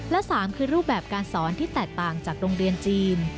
และ๓คือรูปแบบการสอนที่แตกต่างจากโรงเรียนจีน